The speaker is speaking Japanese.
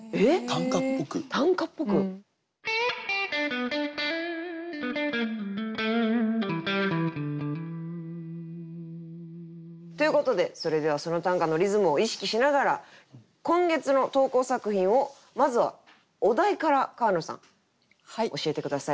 短歌っぽく？ということでそれではその短歌のリズムを意識しながら今月の投稿作品をまずはお題から川野さん教えて下さい。